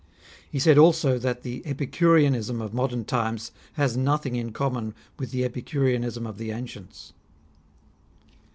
He said also that the Epicurean ism of modern times has nothing in common with the Epicureanism of the ancients.